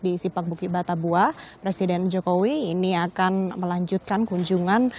di sipak buki batabua presiden jokowi ini akan melanjutkan kunjungan